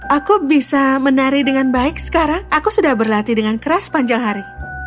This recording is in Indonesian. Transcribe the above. aku bisa menari dengan baik sekarang aku sudah berlatih dengan keras panjang hari